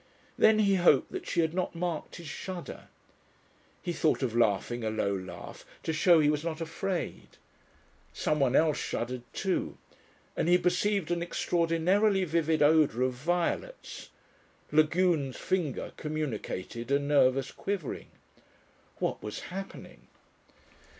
Then he hoped that she had not marked his shudder. He thought of laughing a low laugh to show he was not afraid. Someone else shuddered too, and he perceived an extraordinarily vivid odour of violets. Lagune's finger communicated a nervous quivering. What was happening?